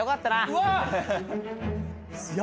・うわ！